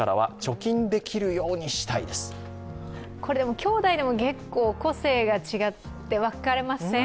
きょうだいでも結構個性が違って分かれません？